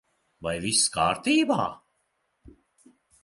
Vai viss kārtībā?